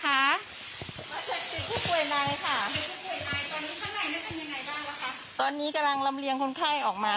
ใช่ค่ะตอนนี้ข้างในมันเป็นยังไงบ้างวะคะตอนนี้กำลังลำเรียงคนไข้ออกมา